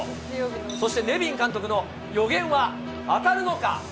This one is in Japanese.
そしてネビン監督の予言は当たるのか？